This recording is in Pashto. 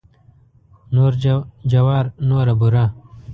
نور جوار نوره بوره.